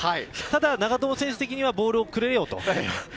長友選手的にはボールをくれよと。